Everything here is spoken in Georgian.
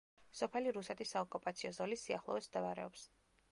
სოფელი რუსეთის საოკუპაციო ზოლის სიახლოვეს მდებარეობს.